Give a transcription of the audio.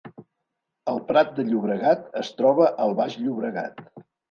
El Prat de Llobregat es troba al Baix Llobregat